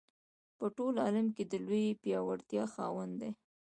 په ټول عالم کې د لویې پیاوړتیا خاوند دی.